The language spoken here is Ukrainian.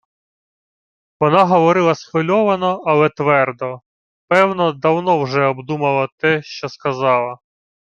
Вона говорила схвильовано, але твердо, певно, давно вже обдумала те, що казала: